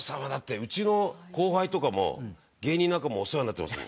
うちの後輩とかも芸人仲間お世話になってますもん。